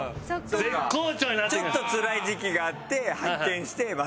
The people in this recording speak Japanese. ちょっとつらい時期があって発見してまた。